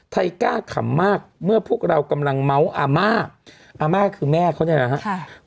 กล้าขำมากเมื่อพวกเรากำลังเมาส์อาม่าอาม่าคือแม่เขาเนี่ยนะครับ